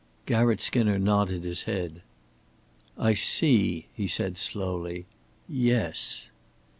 Garratt Skinner nodded his head. "I see," he said, slowly. "Yes."